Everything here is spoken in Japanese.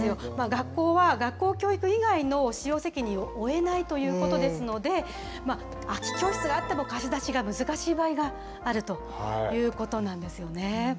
学校は学校教育以外の使用責任を負えないということですので、空き教室があっても貸し出しが難しい場合があるということなんですよね。